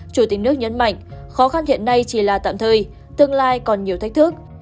chủ tịch nước nhấn mạnh khó khăn hiện nay chỉ là tạm thời tương lai còn nhiều thách thức